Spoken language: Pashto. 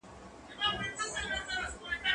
ايا ته منډه وهې